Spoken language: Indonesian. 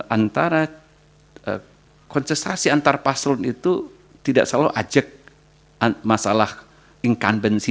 antara konsentrasi antarpasel itu tidak selalu ajak masalah inkandensi